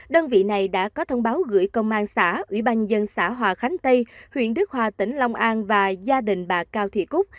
đơn vị này đã có thông báo gửi công an xã ủy ban nhân dân xã hòa khánh tây huyện đức hòa tỉnh long an và gia đình bà cao thị cúc